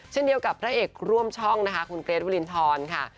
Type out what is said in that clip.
เช่นเดียวกับพระเอกร่วมช่องนะคะคุณเกรทวรินทรค่ะ